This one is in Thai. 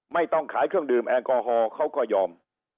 ไม่ต้องขายเครื่องดื่มแอลกอฮอล์เขาก็ยอม